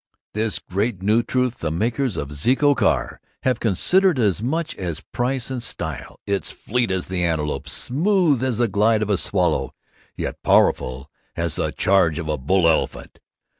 This great new truth the makers of the Zeeco Car have considered as much as price and style. It's fleet as the antelope, smooth as the glide of a swallow, yet powerful as the charge of a bull elephant.